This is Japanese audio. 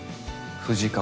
藤川